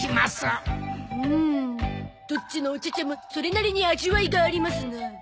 うんどっちのお茶々もそれなりに味わいがありますな。